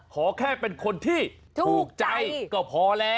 ขอแค่เป็นคนที่ถูกใจก็พอแล้ว